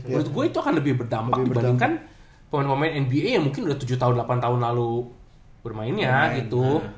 menurut gue itu akan lebih berdampak dibandingkan pemain pemain nba yang mungkin udah tujuh tahun delapan tahun lalu bermainnya itu